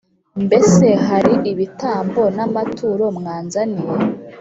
Mbese hari ibitambo n amaturo mwanzaniye